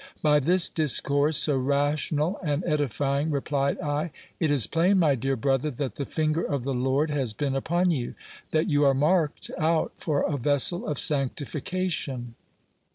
By this discourse, so rational and edifying, replied I, it is plain, my dear brother, that the finger of the Lord has been upon you, that you are marked out for a vessel of sanctification.